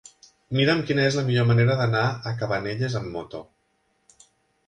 Mira'm quina és la millor manera d'anar a Cabanelles amb moto.